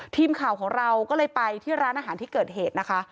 ทีมข่าวของเราก็เลยไปที่ร้านอาหารที่เกิดเหตุนะคะ